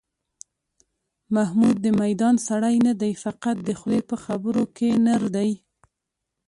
محمود د میدان سړی نه دی، فقط د خولې په خبرو کې نر دی.